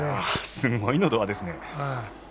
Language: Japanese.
すごいのど輪ですね。